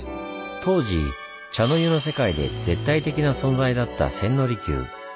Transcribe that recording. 当時茶の湯の世界で絶対的な存在だった千利休。